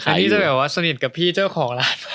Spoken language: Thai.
ใครที่จะบอกว่าสนิทกับพี่เจ้าของร้าน